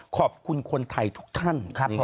ขอบคุณคนไทยทุกท่าน